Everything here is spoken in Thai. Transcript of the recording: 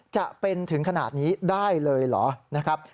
จะเป็นถึงขนาดนี้ได้เลยเหรอนะครับ